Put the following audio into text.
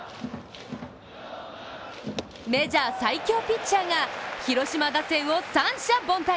メジャー最強ピッチャーが広島打線を三者凡退。